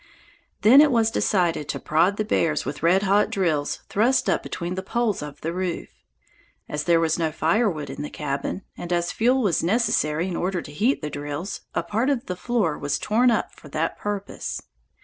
Then it was decided to prod the bears with red hot drills thrust up between the poles of the roof. As there was no firewood in the cabin, and as fuel was necessary in order to heat the drills, a part of the floor was torn up for that purpose.